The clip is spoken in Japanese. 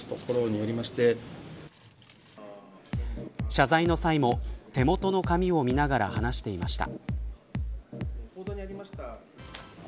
謝罪の際も、手元の紙を見ながら話していました。